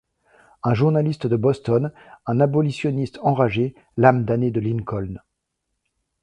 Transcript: Un journaliste de Boston, un abolitionniste enragé, l’âme damnée de Lincoln.